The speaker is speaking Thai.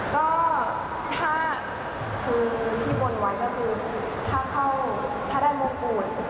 ก็ถ้าคือที่บนวันก็คือถ้าเข้าถ้าได้โมงปุ่น